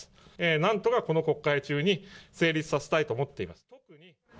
なんとかこの国会中に成立させたいと思っています。